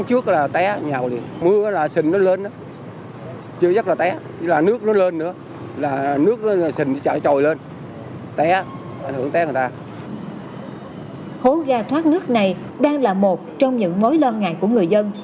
hố ga thoát nước này đang là một trong những mối lo ngại của người dân